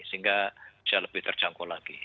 sehingga bisa lebih terjangkau lagi